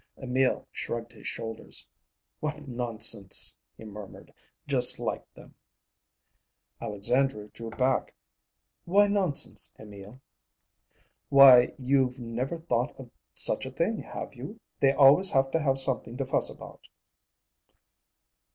Emil shrugged his shoulders. "What nonsense!" he murmured. "Just like them." Alexandra drew back. "Why nonsense, Emil?" "Why, you've never thought of such a thing, have you? They always have to have something to fuss about."